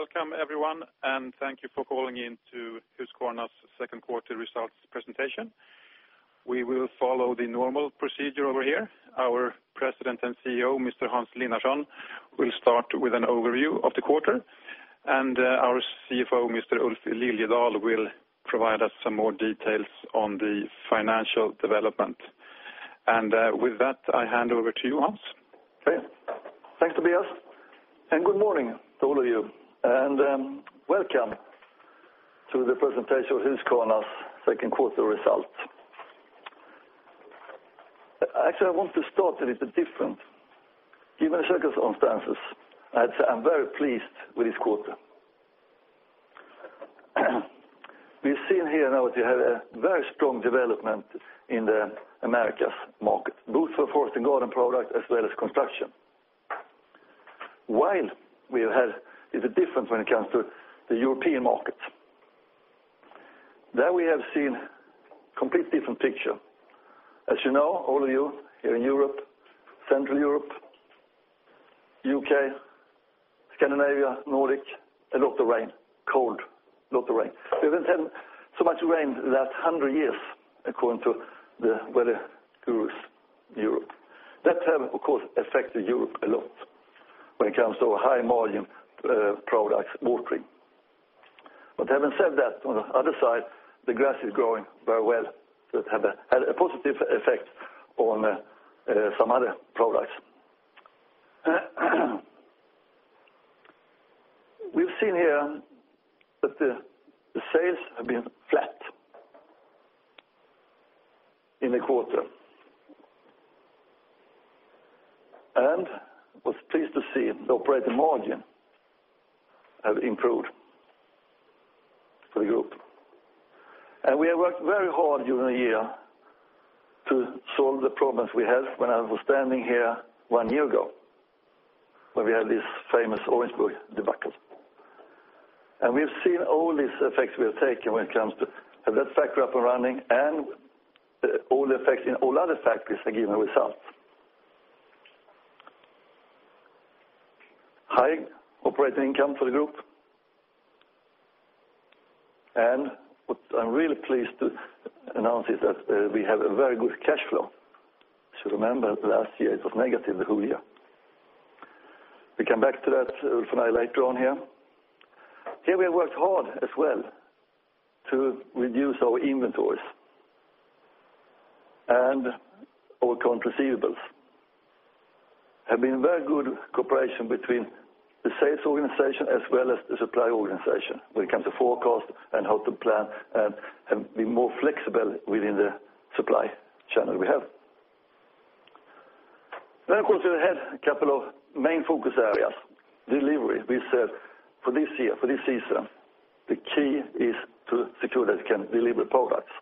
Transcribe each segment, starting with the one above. Welcome everyone, thank you for calling in to Husqvarna's second quarter results presentation. We will follow the normal procedure over here. Our President and CEO, Mr. Hans Linnarson, will start with an overview of the quarter. Our CFO, Mr. Ulf Liljedahl, will provide us some more details on the financial development. With that, I hand over to you, Hans. Okay. Thanks, Tobias, good morning to all of you, welcome to the presentation of Husqvarna's second quarter results. Actually, I want to start a little different. Given the circumstances, I'd say I'm very pleased with this quarter. We've seen here now that we have a very strong development in the Americas market, both for forest and garden product as well as construction. We have had a little difference when it comes to the European market. There we have seen complete different picture. As you know, all of you here in Europe, Central Europe, U.K., Scandinavia, Nordic, a lot of rain. Cold, lot of rain. We haven't had so much rain the last 100 years according to the weather gurus in Europe. That has, of course, affected Europe a lot when it comes to high-margin products, watering. Having said that, on the other side, the grass is growing very well. That had a positive effect on some other products. We've seen here that the sales have been flat in the quarter. Was pleased to see the operating margin have improved for the group. We have worked very hard during the year to solve the problems we had when I was standing here one year ago, when we had this famous Orangeburg debacle. We've seen all these effects we have taken when it comes to have that factory up and running and all the effects in all other factories are giving results. High operating income for the group. What I'm really pleased to announce is that we have a very good cash flow. Remember, last year it was negative the whole year. We come back to that, Ulf and I, later on here. Here we have worked hard as well to reduce our inventories and our account receivables. Have been very good cooperation between the sales organization as well as the supply organization when it comes to forecast and how to plan and be more flexible within the supply channel we have. Of course, we have had a couple of main focus areas. Delivery, we said for this year, for this season, the key is to secure that we can deliver products.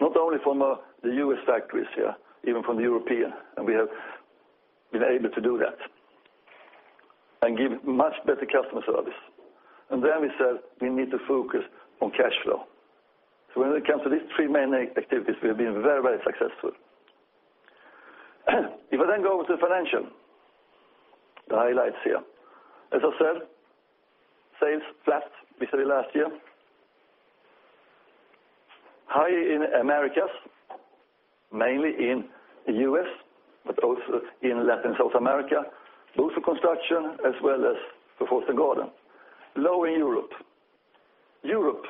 Not only from the U.S. factories here, even from the European, we have been able to do that and give much better customer service. Then we said we need to focus on cash flow. When it comes to these three main activities, we have been very successful. If I go over to financial, the highlights here. As I said, sales flat vis-à-vis last year. High in Americas, mainly in the U.S., but also in Latin South America, both for construction as well as for forest and garden. Low in Europe. Europe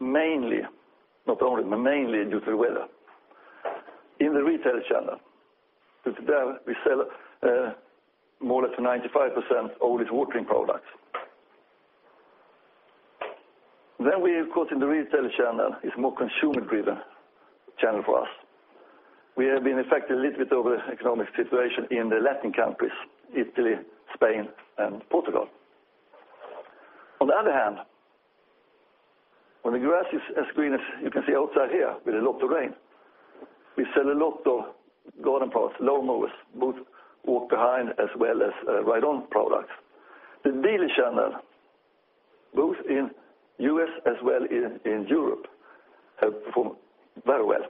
mainly, not only, but mainly due to weather in the retail channel. Because there we sell more or less 95% all is watering products. We, of course, in the retail channel, it's more consumer-driven channel for us. We have been affected a little bit over the economic situation in the Latin countries, Italy, Spain, and Portugal. On the other hand, when the grass is as green as you can see outside here with a lot of rain, we sell a lot of garden products, lawn mowers, both walk behind as well as ride-on products. The dealer channel, both in U.S. as well in Europe, have performed very well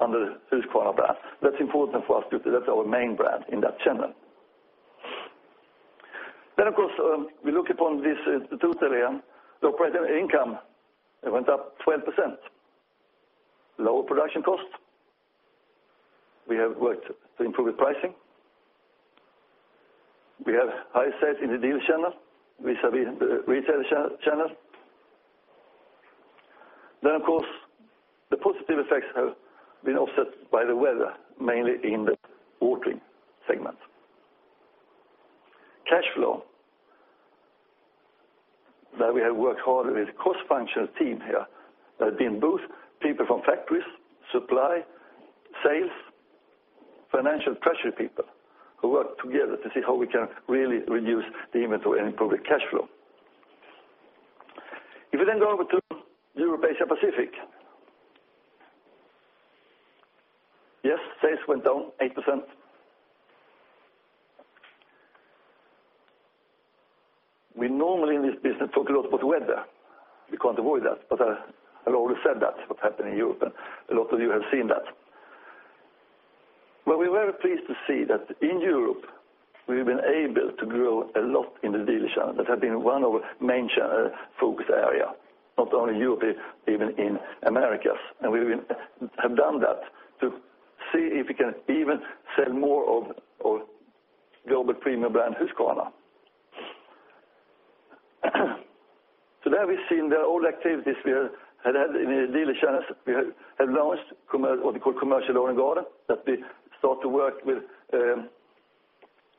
under Husqvarna brand. That's important for us because that's our main brand in that channel. Of course, we look upon this totally and the operating income went up 12%. Lower production cost. We have worked to improve the pricing. We have high sales in the dealer channel vis-à-vis the retail channel. Of course, the positive effects have been offset by the weather, mainly in the watering segment. Cash flow, there we have worked hard with cross-functional team here. There have been both people from factories, supply, sales, financial, treasury people who work together to see how we can really reduce the inventory and improve the cash flow. If we go over to Europe, Asia, Pacific. Yes, sales went down 8%. We normally in this business talk a lot about weather. We can't avoid that, but I've already said that what happened in Europe, and a lot of you have seen that. Well, we're very pleased to see that in Europe, we've been able to grow a lot in the dealer channel. That has been one of our main focus area, not only Europe, even in Americas. We have done that to see if we can even sell more of global premium brand Husqvarna. There we've seen the old activities we had had in the dealer channels. We had launched what we call commercial lawn and garden, that we start to work with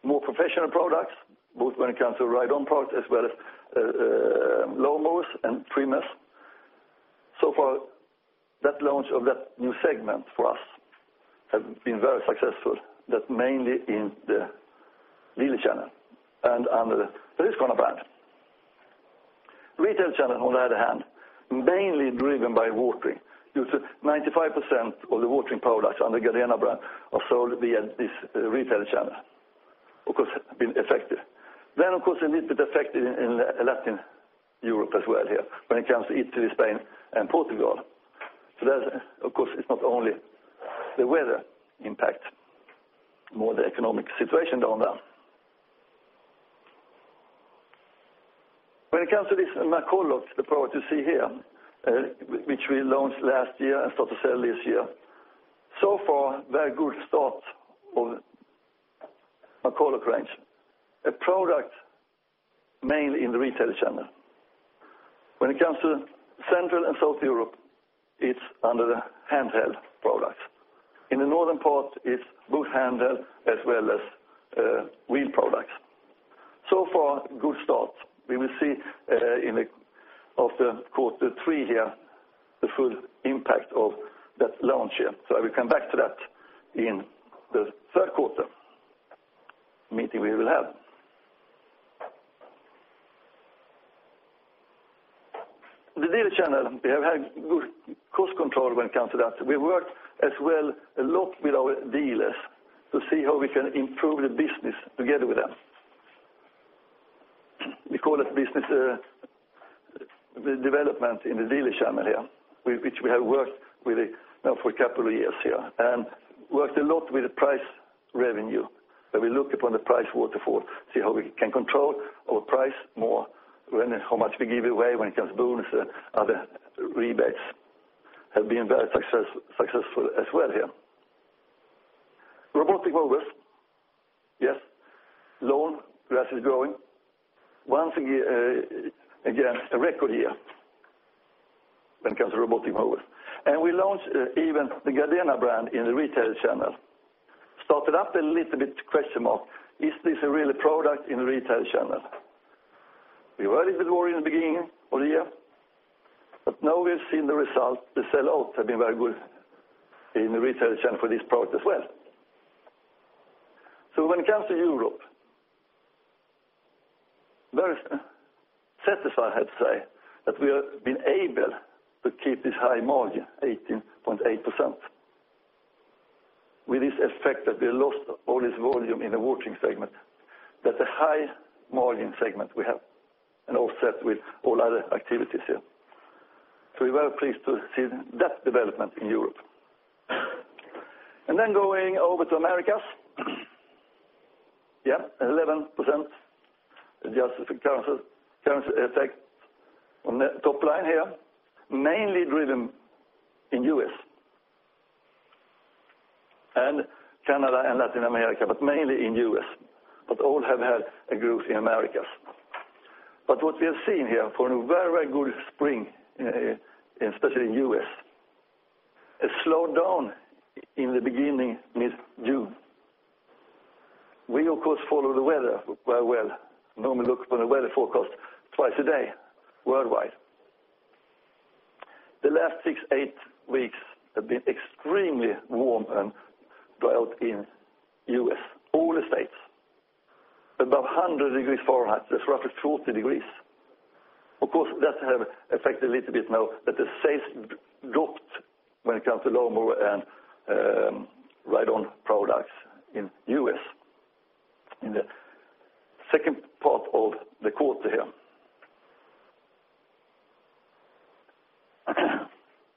more professional products, both when it comes to ride-on products as well as lawn mowers and trimmers. So far, that launch of that new segment for us has been very successful, that mainly in the dealer channel and under the Husqvarna brand. Retail channel, on the other hand, mainly driven by watering. Due to 95% of the watering products under Gardena brand are sold via this retail channel. Of course, have been affected. Of course, a little bit affected in Latin Europe as well here, when it comes to Italy, Spain, and Portugal. That, of course, it's not only the weather impact, more the economic situation down there. When it comes to this McCulloch, the product you see here, which we launched last year and start to sell this year. So far, very good start of McCulloch range. A product mainly in the retail channel. When it comes to Central and South Europe, it's under the handheld products. In the northern part, it's both handheld as well as wheel products. So far, good start. We will see of the quarter three here, the full impact of that launch here. I will come back to that in the third quarter meeting we will have. The dealer channel, we have had good cost control when it comes to that. We worked as well a lot with our dealers to see how we can improve the business together with them. We call it business development in the dealer channel here, which we have worked with now for a couple of years here. Worked a lot with the price revenue, where we look upon the price waterfall, see how we can control our price more, how much we give away when it comes to bonus, other rebates. Have been very successful as well here. Robotic mowers. Yes. Lawn, grass is growing. Once again, a record year when it comes to robotic mowers. We launched even the Gardena brand in the retail channel. Started up a little bit question mark. Is this a real product in the retail channel? We were a little bit worried in the beginning of the year, now we've seen the result. The sell-outs have been very good in the retail channel for this product as well. When it comes to Europe, very satisfied, I have to say, that we have been able to keep this high margin, 18.8%, with this effect that we lost all this volume in the watering segment. That's a high margin segment we have, and offset with all other activities here. We're very pleased to see that development in Europe. Going over to Americas. 11% adjusted currency effect on the top line here, mainly driven in U.S., Canada and Latin America, but mainly in U.S. All have had a growth in Americas. What we have seen here for a very good spring, especially in U.S., a slowdown in the beginning mid-June. We, of course, follow the weather very well. Normally look for the weather forecast twice a day worldwide. The last six, eight weeks have been extremely warm and drought in U.S., all the states. Above 100 degrees Fahrenheit, that's roughly 40 degrees. Of course, that has affected a little bit now that the sales dropped when it comes to lawnmower and ride-on products in U.S. in the second part of the quarter here.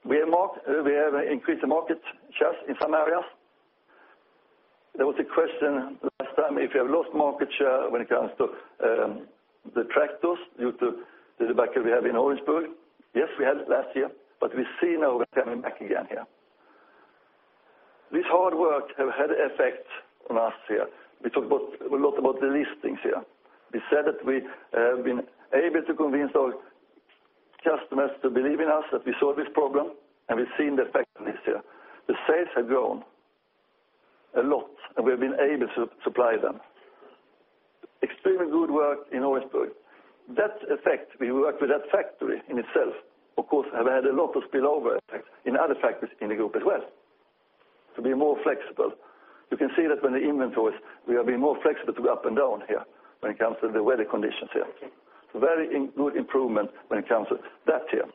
We have increased the market shares in some areas. There was a question last time if we have lost market share when it comes to the tractors due to the debacle we have in Orangeburg. Yes, we had it last year, we see now we're coming back again here. This hard work has had effect on us here. We talked a lot about the listings here. We said that we have been able to convince our customers to believe in us, that we solve this problem, we've seen the effect on this here. The sales have grown a lot, we've been able to supply them. Extremely good work in Orangeburg. That effect, we work with that factory in itself, of course, has had a lot of spillover effect in other factories in the group as well to be more flexible. You can see that when the inventories, we have been more flexible to go up and down here when it comes to the weather conditions here. Very good improvement when it comes to that here.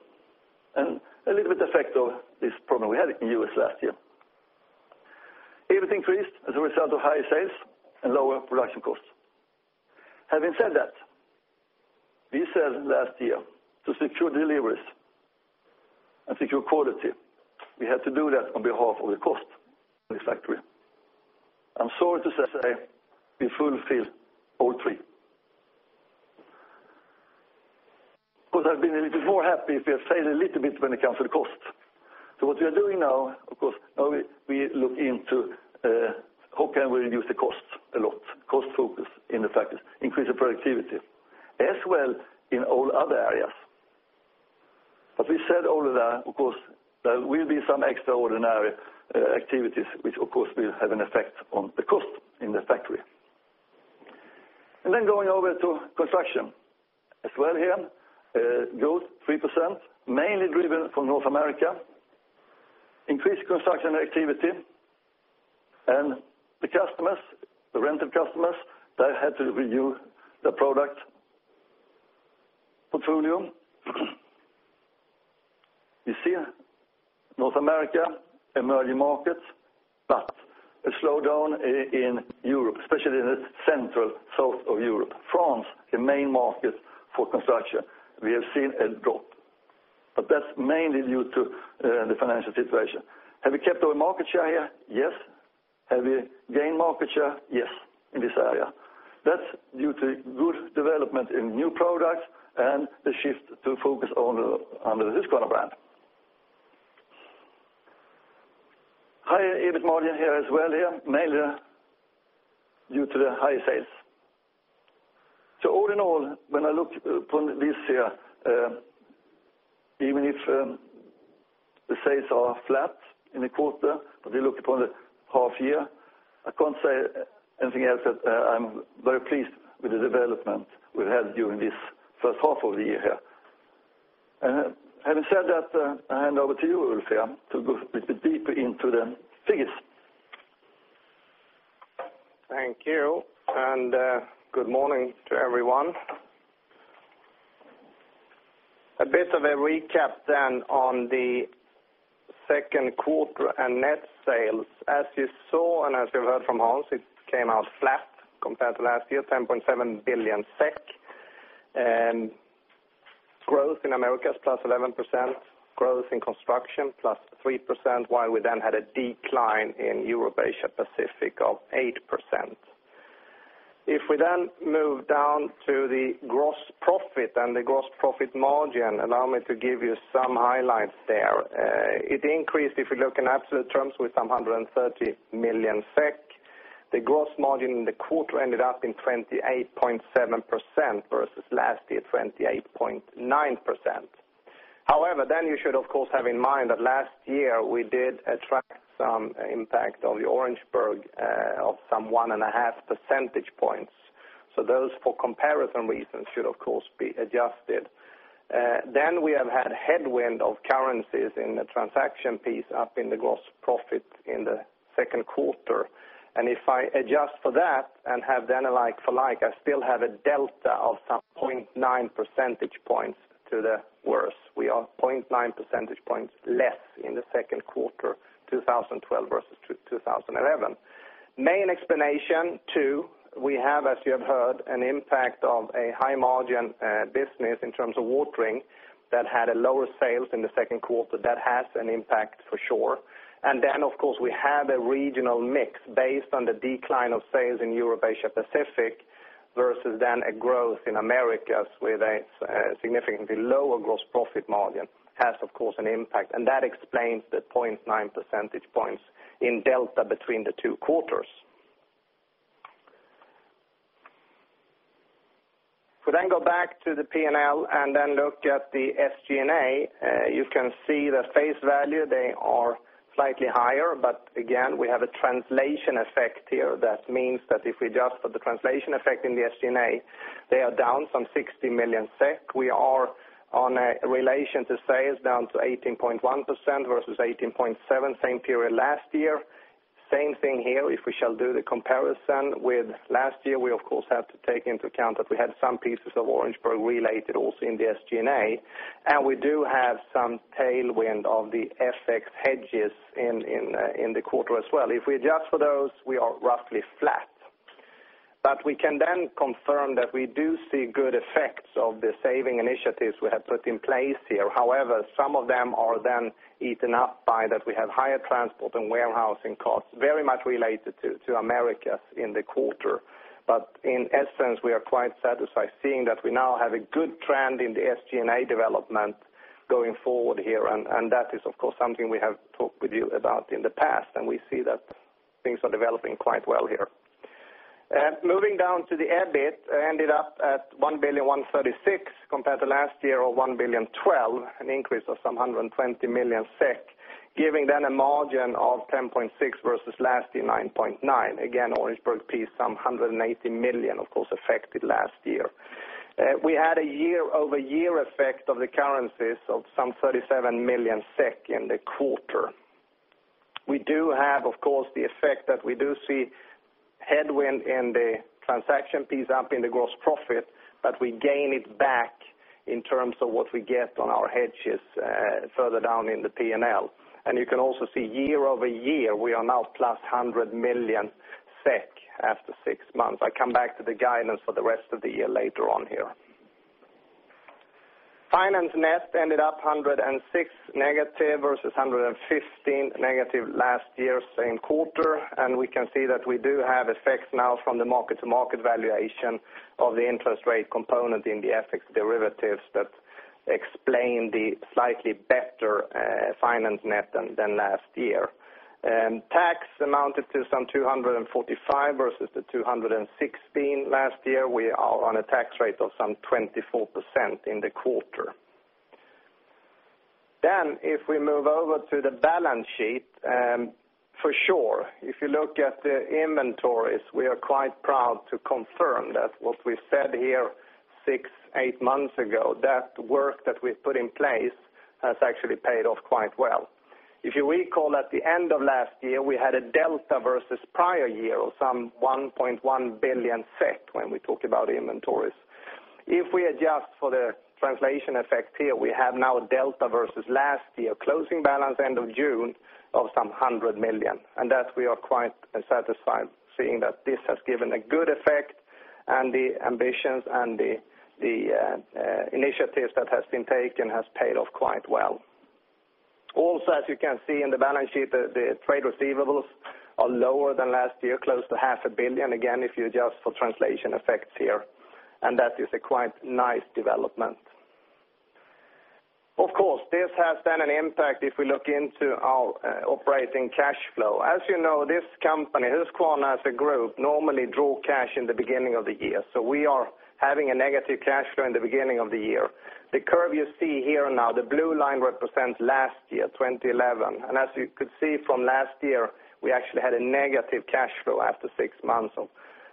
A little bit effect of this problem we had in U.S. last year. EBIT increased as a result of higher sales and lower production costs. Having said that, we said last year to secure deliveries. Secure quality. We had to do that on behalf of the cost in this factory. I'm sorry to say, we fulfill all three. Of course, I'd been a little more happy if we had failed a little bit when it comes to the cost. What we are doing now, of course, now we look into how can we reduce the costs a lot, cost focus in the factories, increase the productivity, as well in all other areas. We said all of that, of course, there will be some extraordinary activities, which, of course, will have an effect on the cost in the factory. Then going over to construction. As well here, growth 3%, mainly driven from North America, increased construction activity, and the rental customers, they had to renew the product portfolio. You see North America, emerging markets, but a slowdown in Europe, especially in the central south of Europe. France, the main market for construction, we have seen a drop, but that's mainly due to the financial situation. Have we kept our market share here? Yes. Have we gained market share? Yes, in this area. That's due to good development in new products and the shift to focus under the Husqvarna brand. Higher EBIT margin here as well, mainly due to the higher sales. All in all, when I look upon this year, even if the sales are flat in the quarter, but you look upon the half year, I can't say anything else that I'm very pleased with the development we've had during this first half of the year here. Having said that, I hand over to you, Ulf, to go a little bit deeper into the figures. Thank you, and good morning to everyone. A bit of a recap then on the second quarter and net sales. As you saw, and as you heard from Hans, it came out flat compared to last year, 10.7 billion SEK. Growth in Americas +11%, growth in construction +3%, while we then had a decline in Europe, Asia-Pacific of 8%. If we then move down to the gross profit and the gross profit margin, allow me to give you some highlights there. It increased, if you look in absolute terms, with some 130 million SEK. The gross margin in the quarter ended up in 28.7% versus last year, 28.9%. However, then you should, of course, have in mind that last year we did attract some impact of the Orangeburg of some one and a half percentage points. Those, for comparison reasons, should of course be adjusted. We have had headwind of currencies in the transaction piece up in the gross profit in the second quarter. If I adjust for that and have then a like for like, I still have a delta of some 0.9 percentage points to the worse. We are 0.9 percentage points less in the second quarter 2012 versus 2011. Main explanation, too, we have, as you have heard, an impact of a high-margin business in terms of watering that had a lower sales in the second quarter. That has an impact for sure. Of course, we have a regional mix based on the decline of sales in Europe, Asia-Pacific, versus then a growth in Americas with a significantly lower gross profit margin, has of course an impact, and that explains the 0.9 percentage points in delta between the two quarters. However, some of them are then eaten up by that we have higher transport and warehousing costs, very much related to Americas in the quarter. In essence, we are quite satisfied seeing that we now have a good trend in the SG&A development going forward here. That is, of course, something we have talked with you about in the past, and we see that things are developing quite well here. Moving down to the EBIT, ended up at 1,136 million compared to last year of 1,012 million, an increase of some 120 million SEK, giving then a margin of 10.6% versus last year, 9.9%. Again, Orangeburg piece, some 180 million, of course, affected last year. We had a year-over-year effect of the currencies of some 37 million SEK in the quarter. We do have, of course, the effect that we do see headwind in the transaction piece up in the gross profit, but we gain it back in terms of what we get on our hedges further down in the P&L. You can also see year-over-year, we are now +100 million SEK after six months. I come back to the guidance for the rest of the year later on here. Finance net ended up 106 million negative versus 115 million negative last year same quarter. We can see that we do have effects now from the market-to-market valuation of the interest rate component in the FX derivatives that explain the slightly better Finance net than last year. If you recall, at the end of last year, we had a delta versus prior year of some 1.1 billion when we talk about inventories. If we adjust for the translation effect here, we have now a delta versus last year closing balance end of June of some 100 million. That we are quite satisfied seeing that this has given a good effect and the ambitions and the initiatives that has been taken has paid off quite well. Also, as you can see in the balance sheet, the trade receivables are lower than last year, close to half a billion SEK, again, if you adjust for translation effects here, and that is a quite nice development. Of course, this has then an impact if we look into our operating cash flow. As you know, this company, Husqvarna as a group, normally draw cash in the beginning of the year. We are having a negative cash flow in the beginning of the year. The curve you see here now, the blue line represents last year, 2011. As you could see from last year, we actually had a negative cash flow after six months of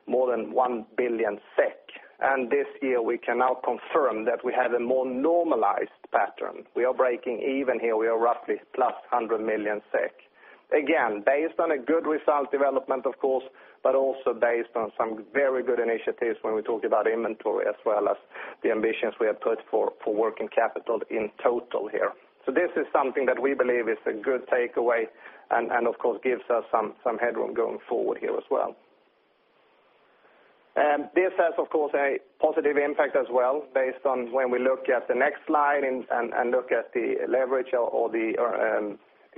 more than 1 billion SEK. This year, we can now confirm that we have a more normalized pattern. We are breaking even here. We are roughly plus 100 million SEK. Again, based on a good result development, of course, but also based on some very good initiatives when we talk about inventory as well as the ambitions we have put for working capital in total here. This is something that we believe is a good takeaway and of course, gives us some headroom going forward here as well. This has, of course, a positive impact as well, based on when we look at the next slide and look at the leverage or the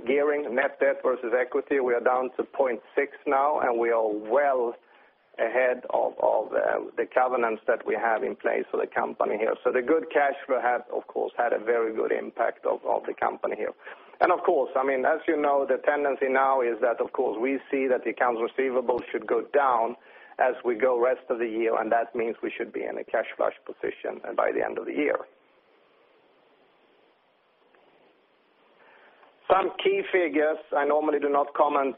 gearing net debt versus equity. We are down to 0.6 now, and we are well ahead of the covenants that we have in place for the company here. The good cash flow had, of course, had a very good impact of the company here. Of course, as you know, the tendency now is that, of course, we see that the accounts receivable should go down as we go rest of the year, and that means we should be in a cash flush position by the end of the year. Some key figures, I normally do not comment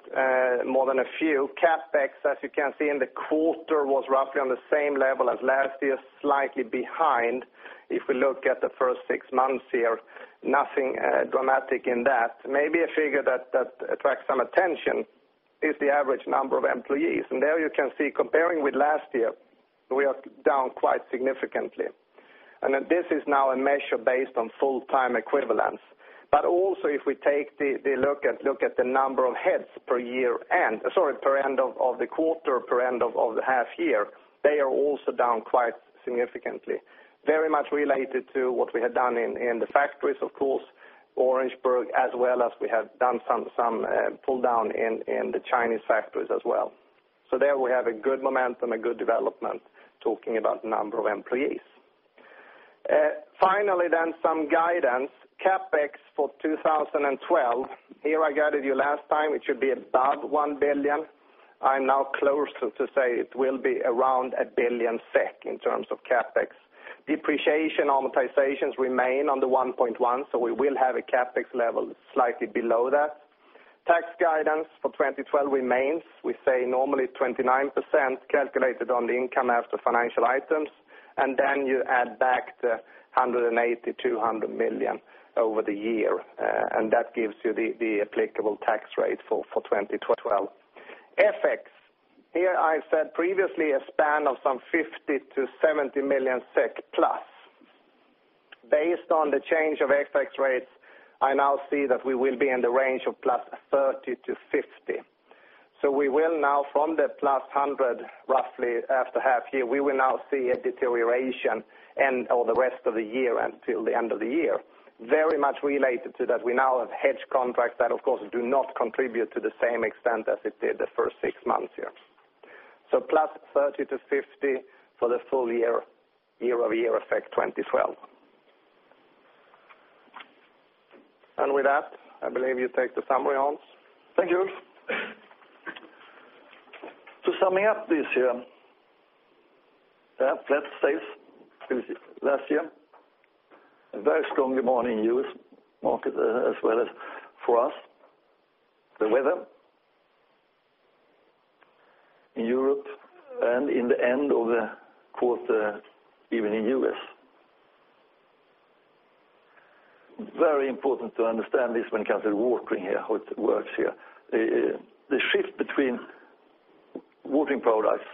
more than a few. CapEx, as you can see in the quarter, was roughly on the same level as last year, slightly behind. If we look at the first six months here, nothing dramatic in that. Maybe a figure that attracts some attention is the average number of employees. There you can see, comparing with last year, we are down quite significantly. This is now a measure based on full-time equivalents. Also, if we take the look at the number of heads per end of the quarter, per end of the half year, they are also down quite significantly. Very much related to what we had done in the factories, of course, Orangeburg, as well as we have done some pull down in the Chinese factories as well. There we have a good momentum, a good development, talking about number of employees. Finally, some guidance. CapEx for 2012. Here I guided you last time, it should be above 1 billion. I'm now closer to say it will be around 1 billion SEK in terms of CapEx. Depreciation, amortizations remain on the 1.1 billion, so we will have a CapEx level slightly below that. Tax guidance for 2012 remains. We say normally 29% calculated on the income after financial items, then you add back the 180 million-200 million over the year, and that gives you the applicable tax rate for 2012. FX. Here I've said previously a span of some plus 50 million-70 million SEK. Based on the change of FX rates, I now see that we will be in the range of plus 30 million-50 million. We will now from the plus 100 million, roughly after half year, we will now see a deterioration over the rest of the year until the end of the year. Very much related to that, we now have hedge contracts that, of course, do not contribute to the same extent as it did the first six months here. Plus 30 million-50 million for the full year-over-year effect 2012. With that, I believe you take the summary, Hans. Thank you. Summing up this year. Flat sales since last year. A very strong demand in U.S. market as well as for us. The weather in Europe and in the end of the quarter, even in U.S. Very important to understand this when it comes to watering here, how it works here. The shift between watering products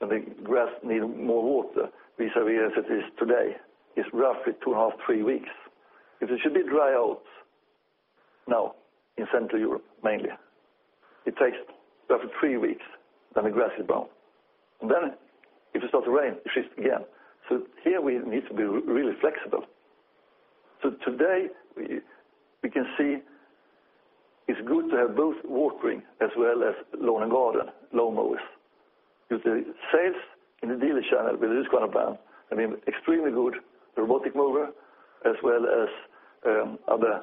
and the grass need more water vis-à-vis as it is today, is roughly two and a half, three weeks. If it should be dry out- Now in Central Europe mainly. It takes roughly three weeks, then the grass is brown. Then if it starts to rain, it shifts again. Here we need to be really flexible. Today, we can see it's good to have both watering as well as lawn and garden lawnmowers. The sales in the dealer channel with this kind of brand have been extremely good. The robotic mower, as well as other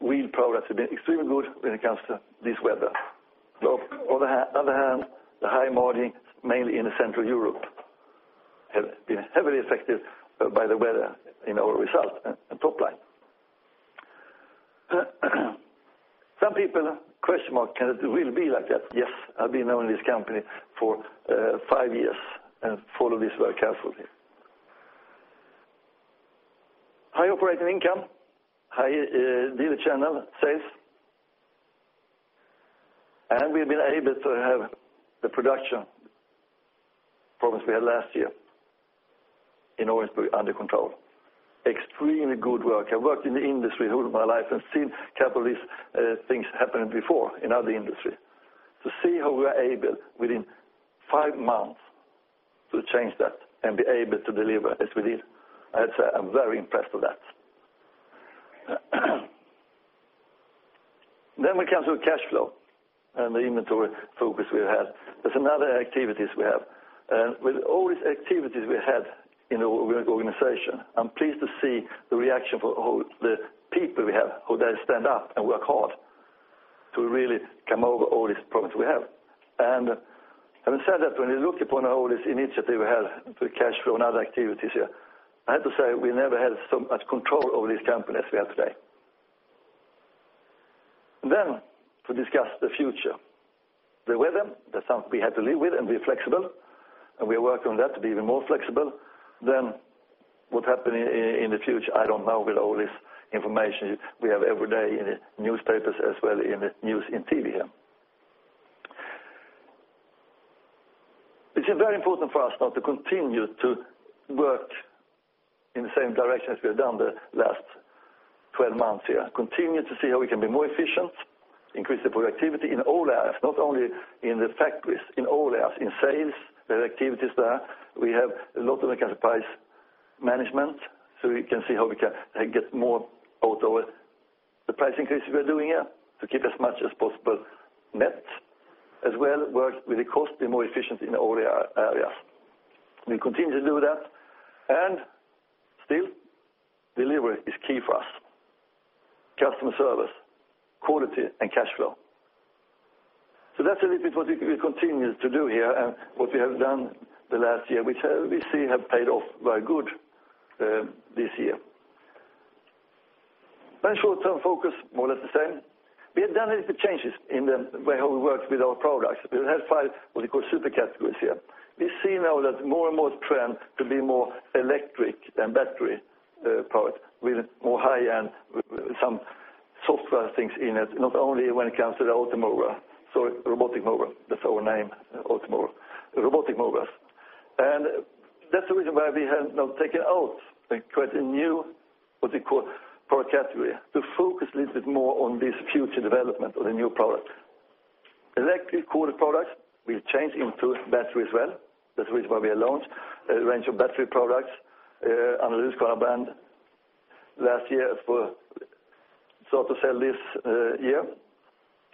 wheel products, have been extremely good when it comes to this weather. On the other hand, the high margin, mainly in Central Europe, have been heavily affected by the weather in our result and top line. Some people question mark, can it really be like that? Yes, I've been owning this company for five years and follow this very carefully. High operating income, high dealer channel sales, and we've been able to have the production problems we had last year in Årjäng under control. Extremely good work. I've worked in the industry all my life and seen a couple of these things happen before in other industry. To see how we are able within five months to change that and be able to deliver as we did, I have to say, I'm very impressed with that. We come to cash flow and the inventory focus we had. There's another activities we have. With all these activities we had in our organization, I'm pleased to see the reaction for all the people we have, who they stand up and work hard to really come over all these problems we have. Having said that, when you look upon all this initiative we have to cash flow and other activities here, I have to say, we never had so much control over this company as we have today. To discuss the future. The weather, that's something we have to live with and be flexible, and we are working on that to be even more flexible. What happen in the future, I don't know, with all this information we have every day in the newspapers as well in the news in TV here. It is very important for us now to continue to work in the same direction as we have done the last 12 months here. Continue to see how we can be more efficient, increase the productivity in all areas, not only in the factories. In sales, there are activities there. We have a lot when it comes to price management, so we can see how we can get more out of the price increase we are doing here to keep as much as possible net, as well work with the cost, be more efficient in all the areas. We continue to do that, and still, delivery is key for us. Customer service, quality, and cash flow. That's a little bit what we continue to do here and what we have done the last year, which we see have paid off very good this year. Short-term focus, more or less the same. We have done a little bit changes in the way how we worked with our products. We have 5, what we call super categories here. We see now that more and more trend to be more electric than battery powered with more high-end, with some software things in it, not only when it comes to the Automower, sorry, robotic mower, that's our name, Automower. Robotic mowers. That's the reason why we have now taken out and created a new, what we call, product category. To focus a little bit more on this future development of the new product. Electric product, we've changed into battery as well. That's the reason why we launched a range of battery products under this brand last year for start to sell this year.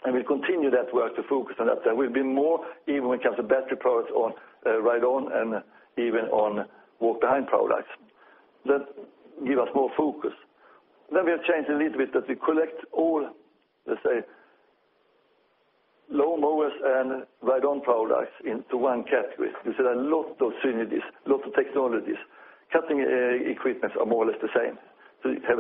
We'll continue that work to focus on that. There will be more even when it comes to battery products on ride-on and even on walk-behind products. That give us more focus. We have changed a little bit that we collect all, let's say, lawnmowers and ride-on products into one category. We see a lot of synergies, lot of technologies. Cutting equipments are more or less the same. You have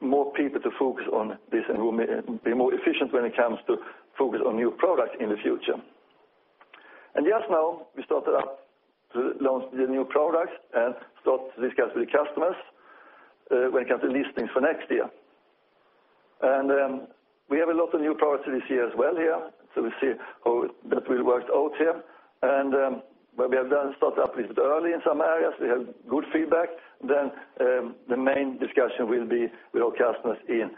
more people to focus on this, and we'll be more efficient when it comes to focus on new products in the future. Just now, we started up to launch the new products and start discuss with the customers when it comes to listings for next year. We have a lot of new products this year as well here, so we see how that will work out here. What we have done, start up a little bit early in some areas. We have good feedback. The main discussion will be with our customers in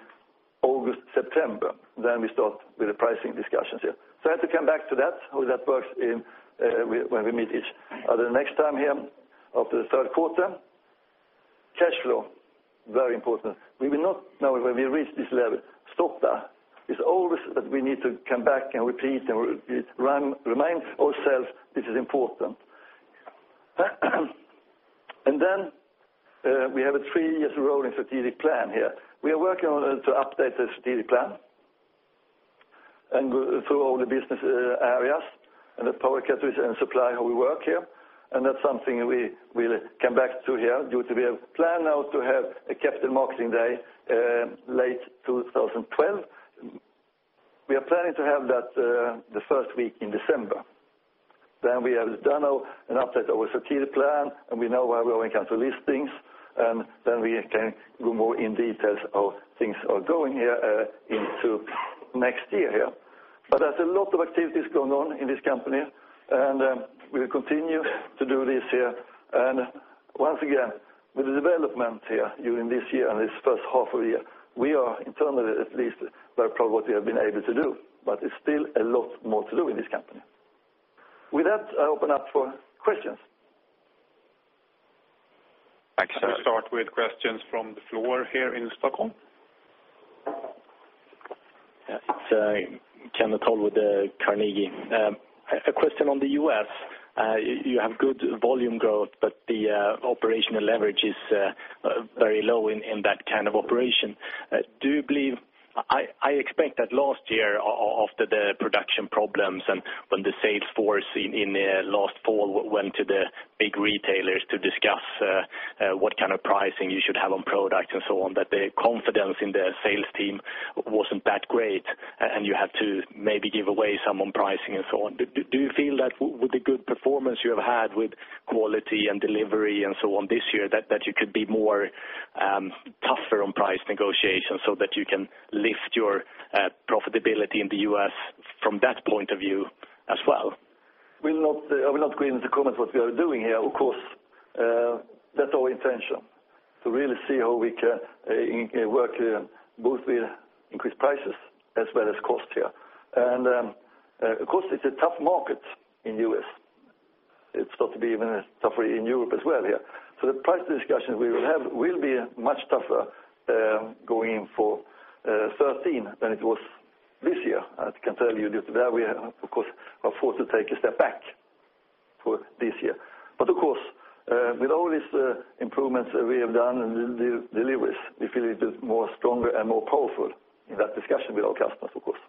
August, September. We start with the pricing discussions here. I have to come back to that, how that works when we meet each other the next time here after the third quarter. Cash flow, very important. We will not, now when we reach this level, stop there. It's always that we need to come back and repeat and remind ourselves this is important. We have a three-year rolling strategic plan here. We are working on to update the strategic plan and through all the business areas and the product categories and supply, how we work here. That's something we will come back to here due to we have planned now to have a Capital Markets Day late 2012. We are planning to have that the first week in December. We have done an update of our strategic plan, and we know where we are when it comes to listings, and then we can go more in details how things are going here into next year here. There's a lot of activities going on in this company, and we will continue to do this here. Once again, with the development here during this year and this first half of the year, we are internally at least very proud what we have been able to do. It's still a lot more to do in this company. With that, I open up for questions. Thanks. We start with questions from the floor here in Stockholm. Yes. It's Kenneth with Carnegie. A question on the U.S. You have good volume growth, but the operational leverage is very low in that kind of operation. I expect that last year, after the production problems and when the sales force in last fall went to the big retailers to discuss what kind of pricing you should have on product and so on, that the confidence in the sales team wasn't that great, and you had to maybe give away some on pricing and so on. Do you feel that with the good performance you have had with quality and delivery and so on this year, that you could be tougher on price negotiations so that you can lift your profitability in the U.S. from that point of view as well? I will not go into comment what we are doing here. Of course, that's our intention to really see how we can work to both increase prices as well as cost here. Of course, it's a tough market in the U.S. It's thought to be even tougher in Europe as well here. The price discussions we will have will be much tougher, going in for 2013 than it was this year. I can tell you that we, of course, are forced to take a step back for this year. Of course, with all these improvements that we have done and the deliveries, we feel it is more stronger and more powerful in that discussion with our customers, of course.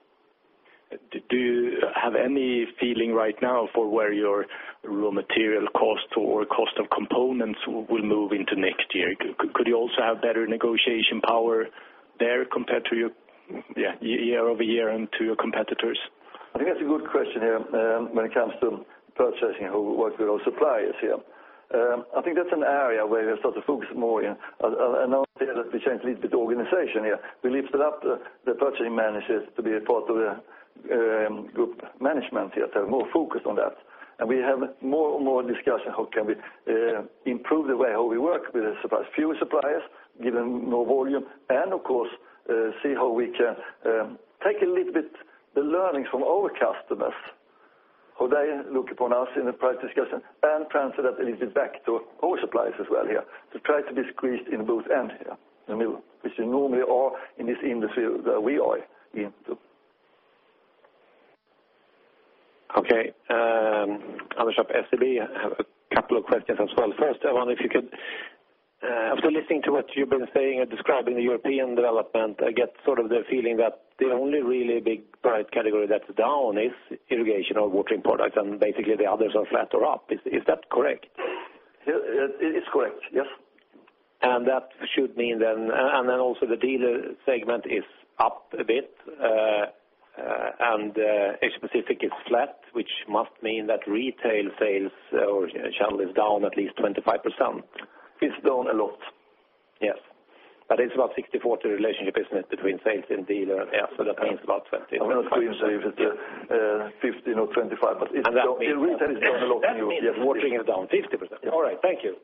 Do you have any feeling right now for where your raw material cost or cost of components will move into next year? Could you also have better negotiation power there compared to your year-over-year and to your competitors? I think that's a good question here. When it comes to purchasing, how we work with our suppliers here. I think that's an area where we have started to focus more. Now that we change a little bit the organization here, we lifted up the purchasing managers to be a part of the group management here to have more focus on that. We have more and more discussion how can we improve the way how we work with the suppliers, fewer suppliers, give them more volume, and of course, see how we can take a little bit the learnings from our customers, how they look upon us in the price discussion and transfer that a little bit back to our suppliers as well here to try to be squeezed in both end here in the middle, which we normally are in this industry that we are into. Okay. Anders at SEB. I have a couple of questions as well. First, I wonder if you, after listening to what you've been saying and describing the European development, I get sort of the feeling that the only really big product category that's down is irrigation or watering products, and basically the others are flat or up. Is that correct? It is correct, yes. Then also the dealer segment is up a bit, and each specific is flat, which must mean that retail sales or channel is down at least 25%. It's down a lot. Yes. It's about 60/40 relationship, isn't it, between sales and dealer? Yeah, so that means about 20. I'm not going to say if it's 15 or 25, the retail is down a lot. That means watering is down 50%. All right, thank you.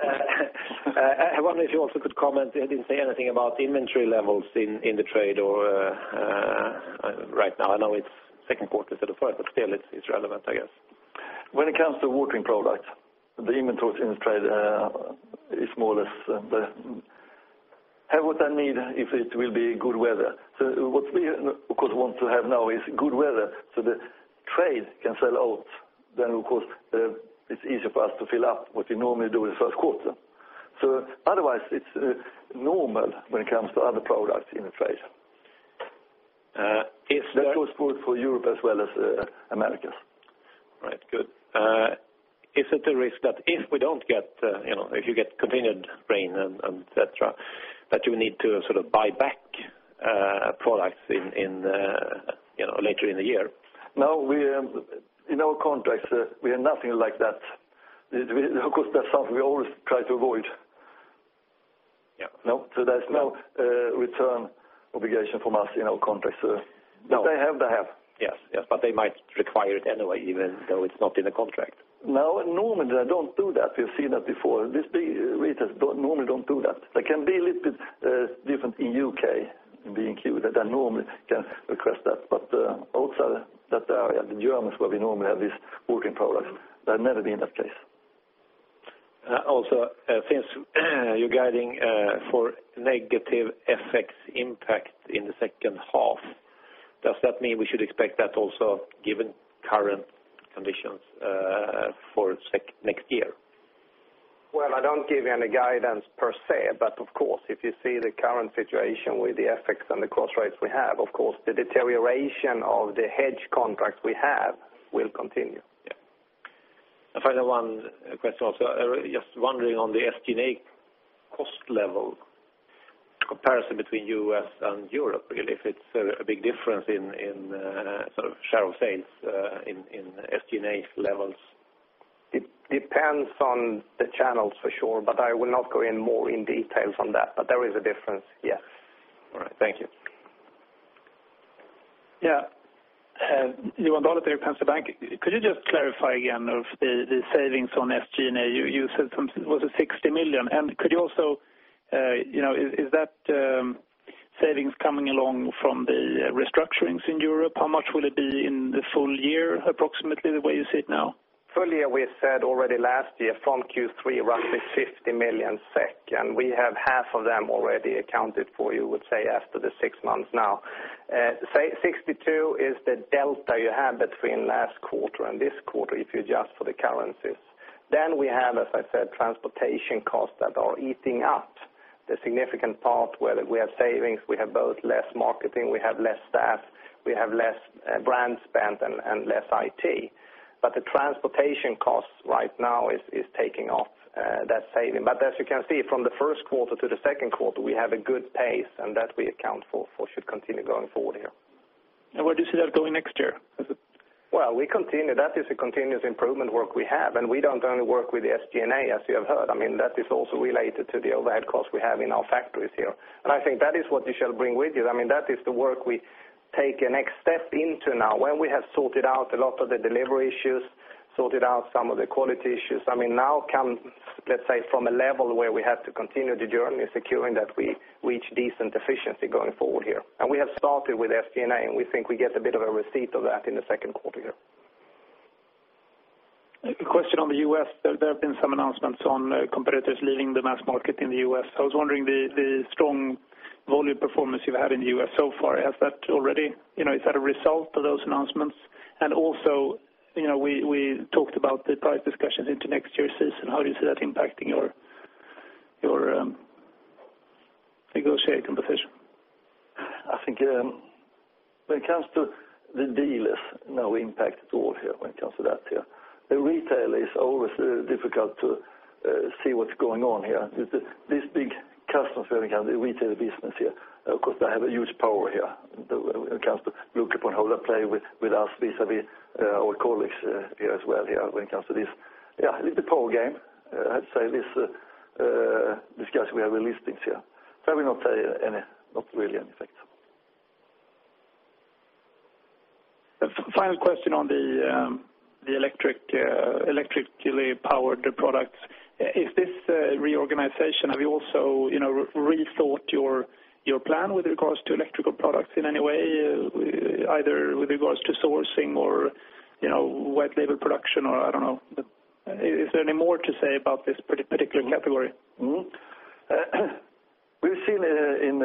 I wonder if you also could comment, you didn't say anything about inventory levels in the trade right now. I know it's second quarter, sort of first, still it's relevant, I guess. When it comes to watering products, the inventories in the trade, is more or less have what I need if it will be good weather. What we of course want to have now is good weather so the trade can sell out. Of course, it's easier for us to fill up what we normally do in the first quarter. Otherwise it's normal when it comes to other products in the trade. That goes both for Europe as well as Americas. Right. Good. Is it a risk that if you get continued rain, et cetera, that you need to sort of buy back products later in the year? In our contracts, we have nothing like that. Of course, that's something we always try to avoid. Yeah. There's no return obligation from us in our contracts. What they have, they have. They might require it anyway, even though it's not in the contract. Normally they don't do that. We've seen that before. These big retailers normally don't do that. They can be a little bit different in U.K., in B&Q, that they normally can request that, but also that area, the Germans, where we normally have these watering products, they've never been that case. since you're guiding for negative FX impact in the second half, does that mean we should expect that also given current conditions for next year? Well, I don't give any guidance per se. Of course, if you see the current situation with the FX and the cross rates we have, of course, the deterioration of the hedge contracts we have will continue. Yeah. I find that one question also, just wondering on the SG&A cost level comparison between U.S. and Europe, really, if it's a big difference in sort of share of sales in SG&A levels? It depends on the channels for sure. I will not go into more details on that. There is a difference, yes. All right. Thank you. Yeah. Johan Eliason with Penser Bank. Could you just clarify again the savings on SG&A? You said it was 60 million. Could you also, is that savings coming along from the restructurings in Europe? How much will it be in the full year, approximately, the way you see it now? Full year, we said already last year from Q3, roughly 50 million SEK. We have half of them already accounted for, you would say, after the six months now. 62 is the delta you have between last quarter and this quarter, if you adjust for the currencies. We have, as I said, transportation costs that are eating up the significant part where we have savings. We have both less marketing, we have less staff, we have less brand spend, and less IT. The transportation costs right now is taking off that saving. As you can see from the first quarter to the second quarter, we have a good pace, and that we account for should continue going forward here. Where do you see that going next year? Well, that is a continuous improvement work we have, and we don't only work with the SG&A, as you have heard. That is also related to the overhead costs we have in our factories here. I think that is what you shall bring with you. That is the work we take a next step into now. When we have sorted out a lot of the delivery issues, sorted out some of the quality issues, now comes, let's say, from a level where we have to continue the journey of securing that we reach decent efficiency going forward here. We have started with SG&A, and we think we get a bit of a receipt of that in the second quarter here. A question on the U.S. There have been some announcements on competitors leaving the mass market in the U.S. I was wondering, the strong volume performance you've had in the U.S. so far, is that a result of those announcements? Also, we talked about the price discussions into next year's season. How do you see that impacting your negotiating position? I think when it comes to the dealers, no impact at all here when it comes to that here. The retail is always difficult to see what's going on here. These big customers, when we have the retail business here, of course, they have a huge power here when it comes to look upon how they play with us vis-a-vis our colleagues here as well here when it comes to this. Yeah, a little bit power game, I have to say, these guys we have released things here. I will not say any, not really any effect. Final question on the electrically powered products. Is this reorganization, have you also rethought your plan with regards to electrical products in any way, either with regards to sourcing or white label production, or I don't know. Is there any more to say about this particular category? We've seen in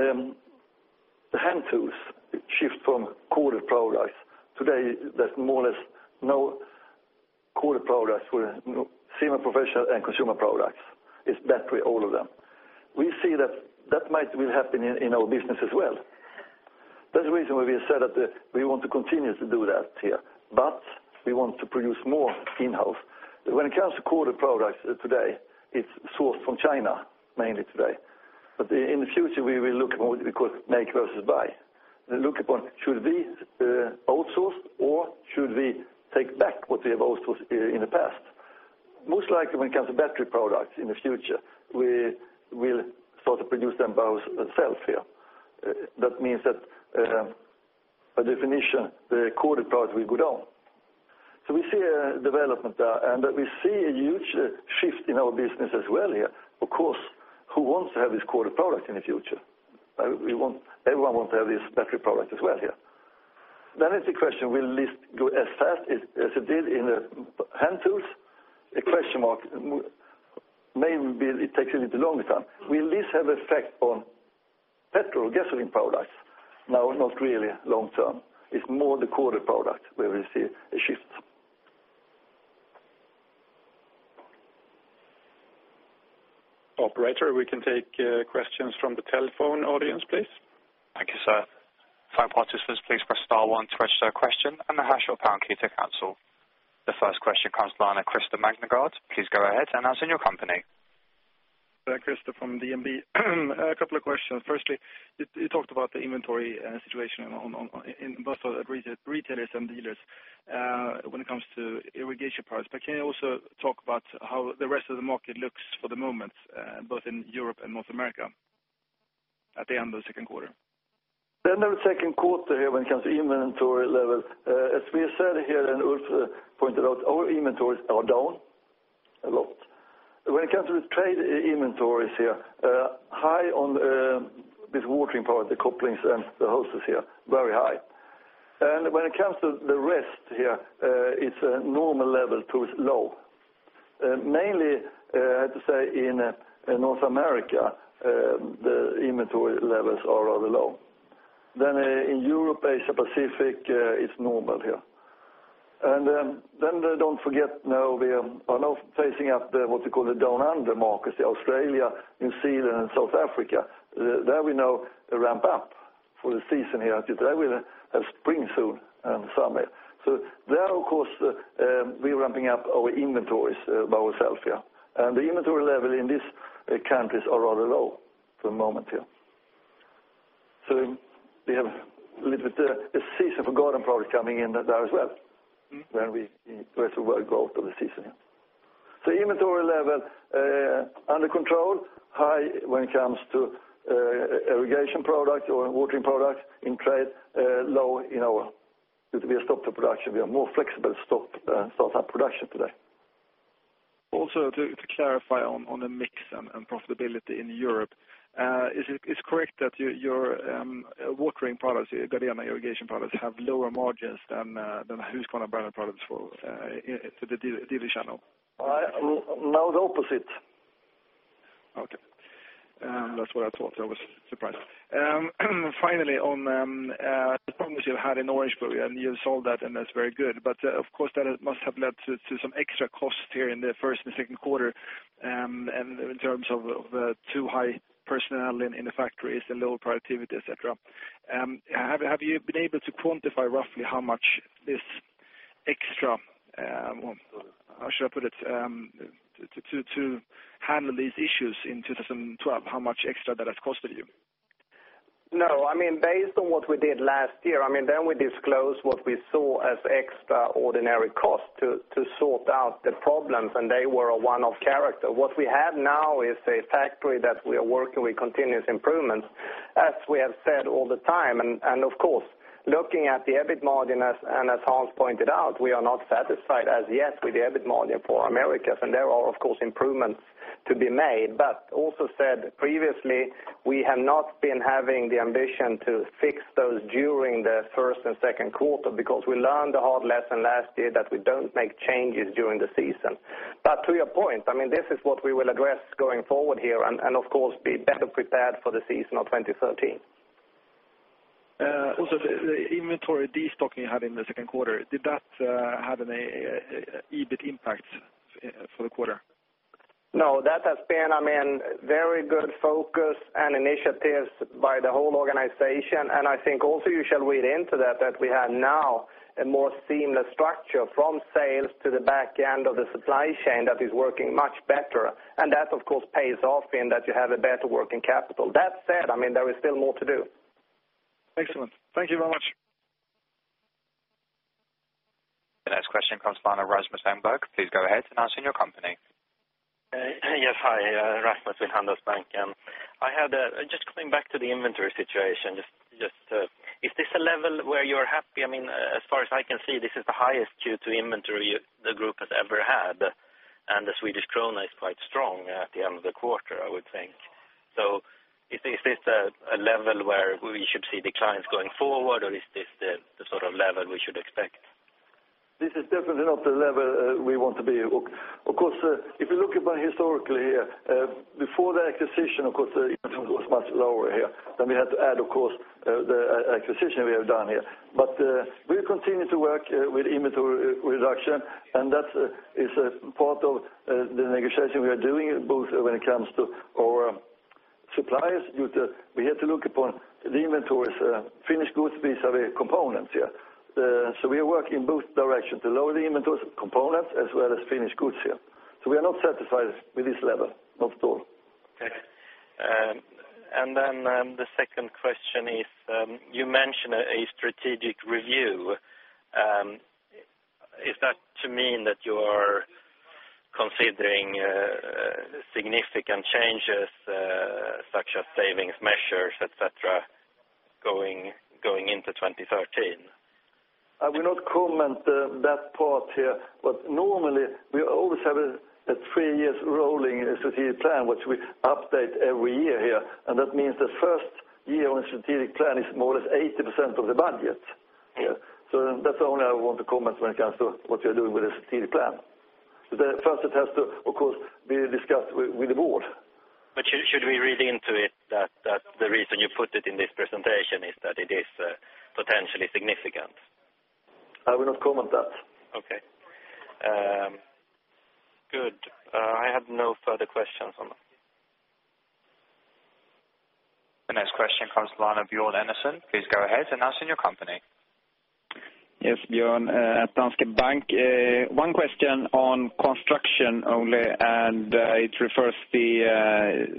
the hand tools, a shift from corded products. Today, there's more or less no corded products for semi-professional and consumer products. It's battery, all of them. We see that that might well happen in our business as well. That's the reason why we said that we want to continue to do that here, but we want to produce more in-house. When it comes to corded products today, it's sourced from China mainly today. In the future, we will look more at make versus buy. Look upon should we outsource, or should we take back what we have outsourced in the past? Most likely when it comes to battery products in the future, we will start to produce them by ourselves here. That means that by definition, the corded products will go down. We see a development there, and we see a huge shift in our business as well here. Of course, who wants to have this corded product in the future? Everyone wants to have this battery product as well here. It's a question, will this grow as fast as it did in the hand tools? A question mark. Maybe it takes a little longer time. Will this have effect on petrol, gasoline products? No, not really long-term. It's more the corded product where we see a shift. Operator, we can take questions from the telephone audience, please. Thank you, sir. For our participants, please press star one to register a question and the hash or pound key to cancel. The first question comes from Christer Magnergård. Please go ahead and announce your company. Christer from DNB. A couple of questions. Firstly, you talked about the inventory situation in both retailers and dealers when it comes to irrigation products. Can you also talk about how the rest of the market looks for the moment, both in Europe and North America at the end of second quarter? The end of second quarter here when it comes to inventory level, as we have said here and Ulf pointed out, our inventories are down a lot. When it comes to the trade inventories here, high on these watering products, the couplings, and the hoses here, very high. When it comes to the rest here, it's a normal level to low. Mainly, I have to say, in North America, the inventory levels are rather low. In Europe, Asia, Pacific, it's normal here. Don't forget now we are now facing up what we call the down-under markets, Australia, New Zealand, and South Africa. There we now ramp up for the season here. They will have spring soon and summer. There, of course, we're ramping up our inventories by ourselves here. The inventory level in these countries are rather low for the moment here. We have a little bit of season for garden products coming in there as well, where we were to work out of the season. Inventory level under control, high when it comes to irrigation products or watering products in trade, low in our because we have stopped the production. We are more flexible to start up production today. Also, to clarify on the mix and profitability in Europe, is it correct that your watering products, Gardena irrigation products, have lower margins than Husqvarna brand products for the dealer channel? No, the opposite. Okay. That's what I thought. I was surprised. Finally, on the problems you had in Orangeburg, and you solved that, and that's very good, but of course, that must have led to some extra costs here in the first and second quarter, and in terms of too high personnel in the factories and low productivity, et cetera. Have you been able to quantify roughly how much this extra, how should I put it, to handle these issues in 2012, how much extra that has cost you? No, based on what we did last year, then we disclosed what we saw as extraordinary costs to sort out the problems, and they were a one-off character. What we have now is a factory that we are working with continuous improvements, as we have said all the time. Of course, looking at the EBIT margin, and as Hans pointed out, we are not satisfied as yet with the EBIT margin for Americas, and there are, of course, improvements to be made. Also said previously, we have not been having the ambition to fix those during the first and second quarter because we learned a hard lesson last year that we don't make changes during the season. To your point, this is what we will address going forward here and, of course, be better prepared for the season of 2013. Also, the inventory destocking you had in the second quarter, did that have an EBIT impact for the quarter? No, that has been very good focus and initiatives by the whole organization, and I think also you shall read into that we have now a more seamless structure from sales to the back end of the supply chain that is working much better, and that, of course, pays off in that you have a better working capital. That said, there is still more to do. Excellent. Thank you very much. The next question comes from Rasmus Engberg. Please go ahead and announce your company. Yes, hi, Rasmus with Handelsbanken. Just coming back to the inventory situation, is this a level where you're happy? As far as I can see, this is the highest Q2 inventory the group has ever had, and the Swedish krona is quite strong at the end of the quarter, I would think. Is this a level where we should see declines going forward, or is this the sort of level we should expect? This is definitely not the level we want to be. Of course, if you look upon historically here, before the acquisition, of course, the inventory was much lower here, then we had to add, of course, the acquisition we have done here. We continue to work with inventory reduction, and that is a part of the negotiation we are doing, both when it comes to our suppliers. We had to look upon the inventories, finished goods vis-a-vis components here. We are working both directions to lower the inventories of components as well as finished goods here. We are not satisfied with this level, not at all. Okay. The second question is, you mentioned a strategic review. Is that to mean that you are considering significant changes, such as savings measures, et cetera, going into 2013? I will not comment that part here, normally we always have a three years rolling strategic plan, which we update every year here, and that means the first year on a strategic plan is more or less 80% of the budget here. That's the only I want to comment when it comes to what we are doing with the strategic plan. First it has to, of course, be discussed with the board. Should we read into it that the reason you put it in this presentation is that it is potentially significant? I will not comment that. Okay. Good. I have no further questions on that. The next question comes from the line of Björn Enarson. Please go ahead, announce your company. Yes, Björn at Danske Bank. One question on construction only, and it refers to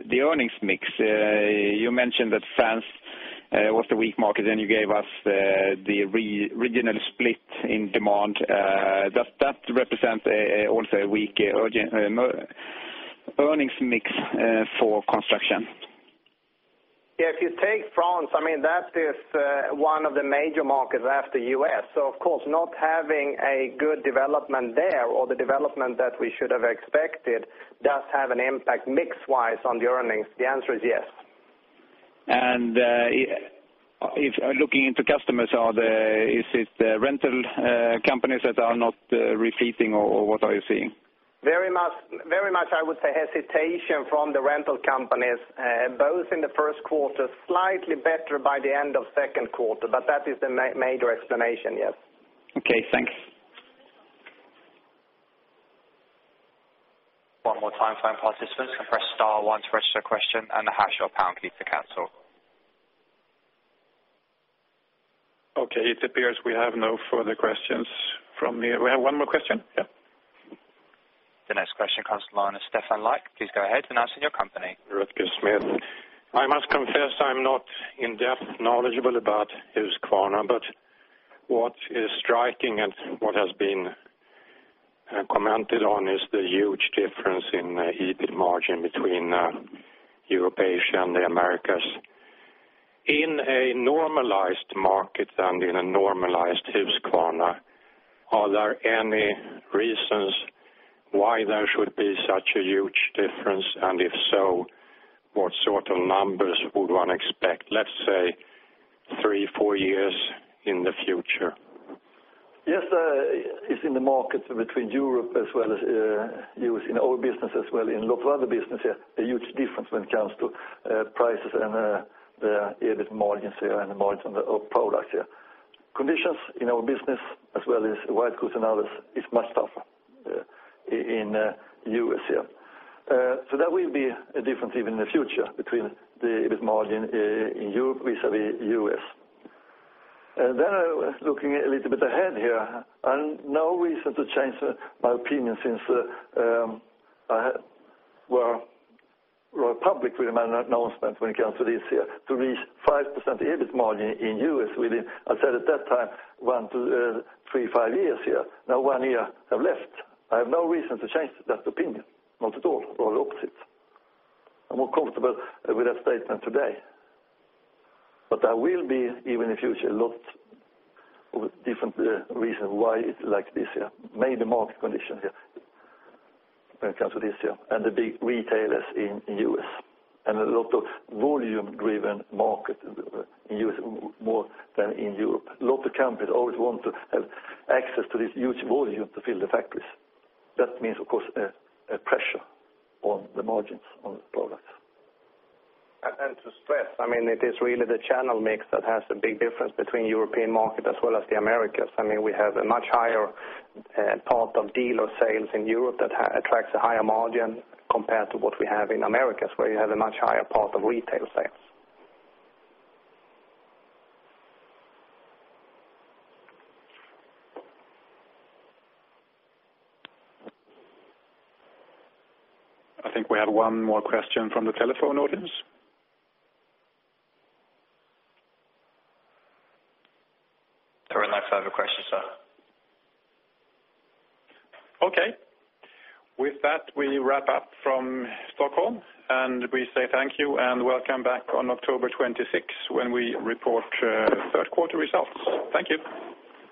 the earnings mix. You mentioned that France was the weak market. You gave us the regional split in demand. Does that represent also a weak earnings mix for construction? If you take France, that is one of the major markets after U.S., so of course, not having a good development there or the development that we should have expected does have an impact mix-wise on the earnings. The answer is yes. If looking into customers, is it the rental companies that are not refitting or what are you seeing? Very much, I would say hesitation from the rental companies, both in the first quarter, slightly better by the end of second quarter, but that is the major explanation, yes. Okay, thanks. One more time for our participants, press star one to register a question and the hash or pound key to cancel. Okay, it appears we have no further questions from here. We have one more question? Yeah. Question comes from the line of Stefan Lycke. Please go ahead, announcing your company. [Rutger Schmidt. I must confess I'm not in-depth knowledgeable about Husqvarna, but what is striking and what has been commented on is the huge difference in EBIT margin between Europe, Asia, and the Americas. In a normalized market and in a normalized Husqvarna, are there any reasons why there should be such a huge difference? If so, what sort of numbers would one expect, let's say, three, four years in the future? Yes. It's in the market between Europe as well as U.S., in our business as well in local other business, a huge difference when it comes to prices and the EBIT margins here and the margin of products here. Conditions in our business as well as white goods and others is much tougher in U.S. here. That will be a difference even in the future between the EBIT margin in Europe vis-a-vis U.S. Looking a little bit ahead here, no reason to change my opinion since we're public with my announcement when it comes to this here, to reach 5% EBIT margin in U.S. within, I said at that time, three to five years here. Now one year have left. I have no reason to change that opinion. Not at all. The opposite. I'm more comfortable with that statement today. There will be, even in the future, lots of different reason why it's like this here. Mainly the market condition here when it comes to this here, the big retailers in U.S., a lot of volume-driven market in U.S. more than in Europe. Local companies always want to have access to this huge volume to fill the factories. That means, of course, a pressure on the margins on the products. To stress, it is really the channel mix that has a big difference between European market as well as the Americas. We have a much higher part of dealer sales in Europe that attracts a higher margin compared to what we have in Americas, where you have a much higher part of retail sales. I think we have one more question from the telephone audience. Very nice. I have a question, sir. Okay. With that, we wrap up from Stockholm, and we say thank you and welcome back on October 26th, when we report third quarter results. Thank you.